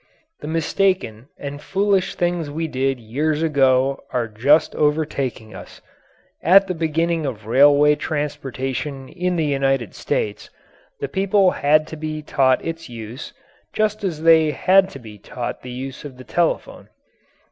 The mistaken and foolish things we did years ago are just overtaking us. At the beginning of railway transportation in the United States, the people had to be taught its use, just as they had to be taught the use of the telephone.